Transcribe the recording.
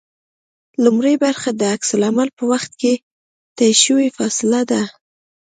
لومړۍ برخه د عکس العمل په وخت کې طی شوې فاصله ده